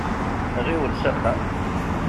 Ɣiwel s axxam.